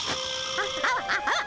あああっ。